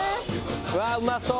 うわあうまそう。